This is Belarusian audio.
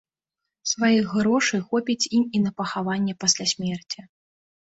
Сваіх грошай хопіць ім і на пахаванне пасля смерці.